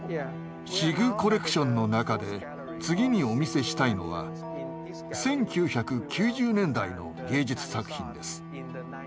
シグコレクションの中で次にお見せしたいのは１９９０年代の芸術作品です。